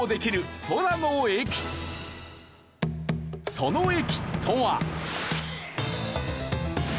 その駅とは。